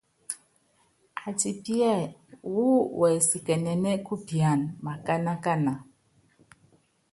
Atipiá wúú wɛsikɛnɛn kupian makánákana.